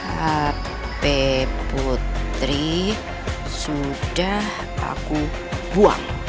hp putri sudah aku buang